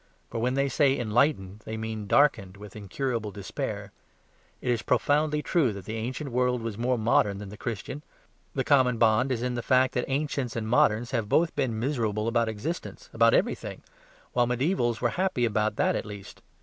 For when they say "enlightened" they mean darkened with incurable despair. It is profoundly true that the ancient world was more modern than the Christian. The common bond is in the fact that ancients and moderns have both been miserable about existence, about everything, while mediaevals were happy about that at least.